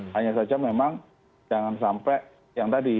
hanya saja memang jangan sampai yang tadi